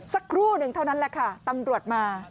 สักครู่หนึ่งเท่านั้นแหละค่ะตำรวจมา